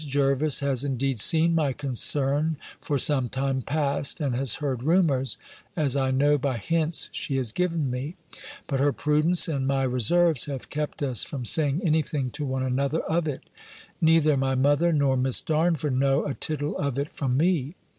Jervis has indeed seen my concern for some time past, and has heard rumours, as I know by hints she has given me; but her prudence, and my reserves, have kept us from saying anything to one another of it. Neither my mother nor Miss Darnford know a tittle of it from me.